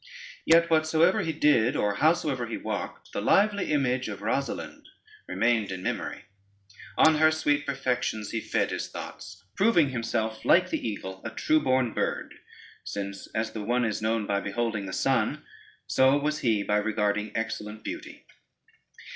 Yet whatsoever he did, or howsoever he walked, the lively image of Rosalynde remained in memory: on her sweet perfections he fed his thoughts, proving himself like the eagle a true born bird, since as the one is known by beholding the sun, so was he by regarding excellent beauty.